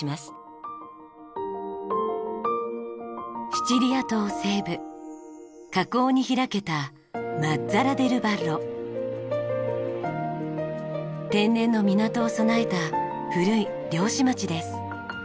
シチリア島西部河口に開けた天然の港を備えた古い漁師町です。